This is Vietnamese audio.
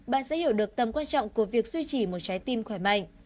bạn sẽ hiểu được tầm quan trọng của việc duy trì một trái tim khỏe mạnh